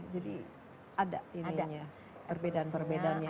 jadi ada perbedaan perbedaannya